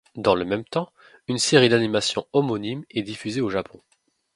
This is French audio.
Dans le même temps, une série d'animation homonyme est diffusée au Japon.